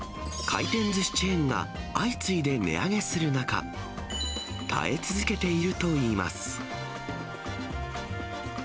回転ずしチェーンが相次いで値上げする中、耐え続けているといいます。